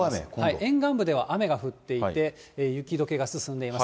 沿岸部では雨が降っていて、雪どけが進んでいます。